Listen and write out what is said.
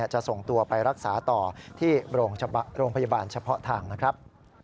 จะส่งตัวไปรักษาต่อที่โรงพยาบาลเฉพาะทางนะครับ